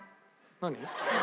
何？